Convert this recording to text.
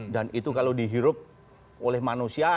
dan itu kalau dihirup oleh manusia